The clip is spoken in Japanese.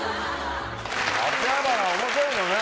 秋葉原面白いよね。